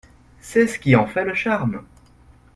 C’est ce qui en fait le charme.